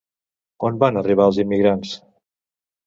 On van arribar els immigrants?